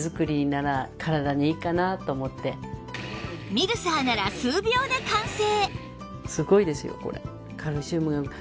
ミルサーなら数秒で完成